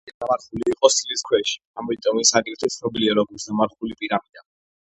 პირამიდა დამარხული იყო სილის ქვეშ, ამიტომ ის აგრეთვე ცნობილია როგორც „დამარხული პირამიდა“.